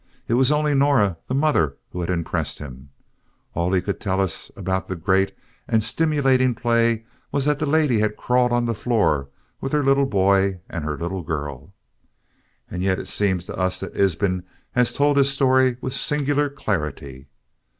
It was only Nora, the mother, who had impressed him. All he could tell us about the great and stimulating play was that the lady had crawled on the floor with her little boy and her little girl. And yet it seems to us that Ibsen has told his story with singular clarity.